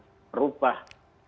tidak akan bisa merubah undang undang